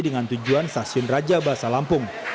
dengan tujuan stasiun raja basa lampung